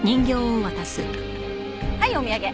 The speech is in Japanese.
はいお土産。